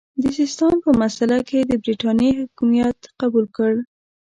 د سیستان په مسئله کې یې د برټانیې حکمیت قبول کړ.